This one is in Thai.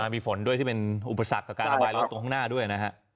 มีฝนด้วยที่เป็นอุปสรรคกับการระบายรถตรงข้างหน้าด้วยนะฮะ